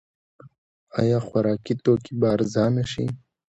آیا خوراکي توکي به ارزانه شي؟